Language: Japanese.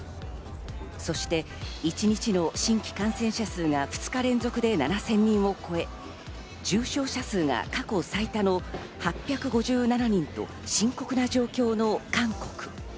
そして一日の新規感染者数が２日連続で７０００人を超え、重症者数が過去最多の８５７人と深刻な状況の韓国。